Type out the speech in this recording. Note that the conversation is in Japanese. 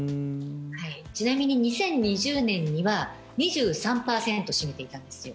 ちなみに２０２０年には２３％を占めていたんですよ